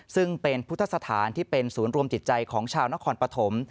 ซึ่งเป็นพุทธสถานที่เป็นศูนย์รวมจิตใจของชาวนครปฐม